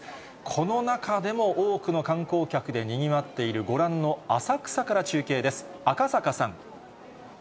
この中でも多くの観光客でにぎわっている、ご覧の浅草から中継です。